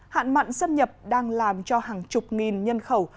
hạn mặn xâm nhập đang làm cho hàng chục nghìn nhân khẩu